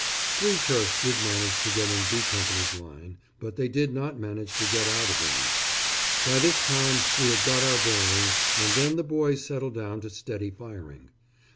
Three Turks did manage to get in B Company's line, but they did not manage to get out again. By this time we had got our bearings, and then the boys settled down to steady firing.